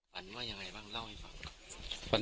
ฝันว่ายังไงบ้างเล่าให้ฟัง